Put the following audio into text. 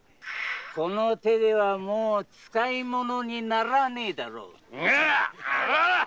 この手ではもう使いものにならねえだろう。